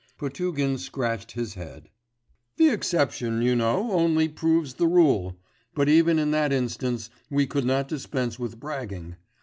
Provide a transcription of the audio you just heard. Potugin scratched his head. 'The exception, you know, only proves the rule, but even in that instance we could not dispense with bragging.